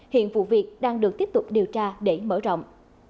hiện vụ việc đang được tiếp tục điều tra để mở rộng